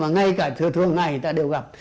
ngay cả thừa thương ngày ta đều gặp